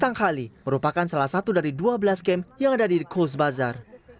tanghali merupakan salah satu dari dua belas camp yang ada di kogsbazar